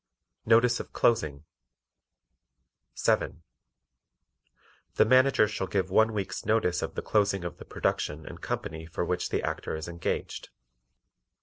Notice of Closing 7. The Manager shall give one week's notice of the closing of the production and company for which the Actor is engaged.